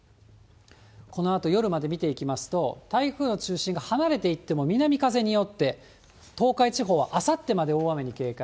このあと夜まで見ていきますと、台風の中心が離れていっても、南風によって東海地方はあさってまで大雨に警戒。